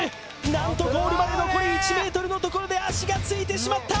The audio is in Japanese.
何とゴールまで残り１ｍのところで足がついてしまった！